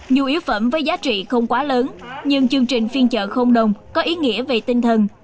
dù yếu phẩm với giá trị không quá lớn nhưng chương trình phiên chợ không đồng có ý nghĩa về tinh thần